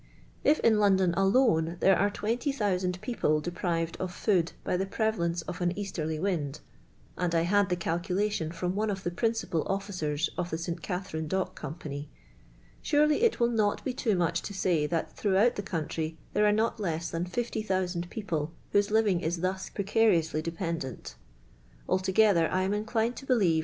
If in London alone there are 20,0o>) people deprived of food by the prevalence of an easterly wind (and 1 had the calculation from one of the principal officers of the St. Katheriue Dock Company), surely it will not be too much to say that throughout the country there are not less than 50,0U0 people whose living is thus pre cariously dependent. Altoirether lam inclined to believe.